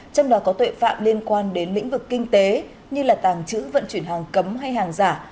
trong đó có tuệ phạm liên quan đến lĩnh vực kinh tế như là tàng trữ vận chuyển hàng cấm hay hàng giả